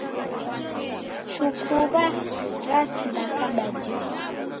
Chukuw'a rasindakaba dii.